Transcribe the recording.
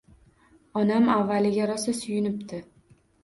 Onam avvaliga rosa suyunibdi